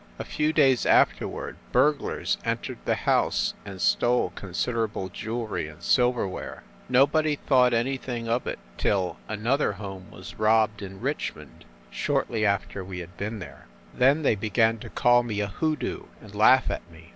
A few days afterward burglars entered the house and stole con siderable jewelry and silverware, Nobody thought 142 FIND THE WOMAN anything of it till another house was robbed in Richmond, shortly after we had been there. Then they began to call me a hoodoo, and laugh at me.